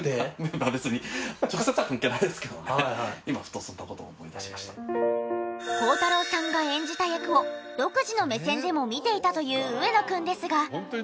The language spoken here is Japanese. まあ別に孝太郎さんが演じた役を独自の目線でも見ていたという上野くんですが。